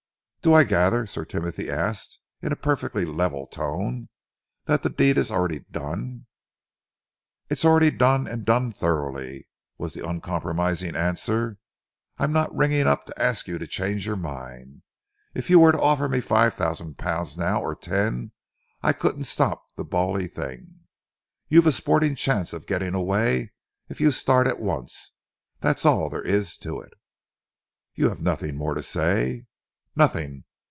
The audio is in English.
"Do I gather," Sir Timothy asked, in a perfectly level tone, "that the deed is already done?" "It's already done and done thoroughly," was the uncompromising answer. "I'm not ringing up to ask you to change your mind. If you were to offer me five thousand now, or ten, I couldn't stop the bally thing. You've a sporting chance of getting away if you start at once. That's all there is to it." "You have nothing more to say?" "Nothing!